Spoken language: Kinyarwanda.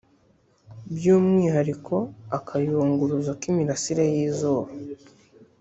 by’umwihariko akayunguruzo k’imirasire y’izuba